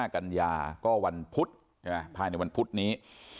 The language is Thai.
๒๕กันยาก็วันพุธภายในวันพุธนี้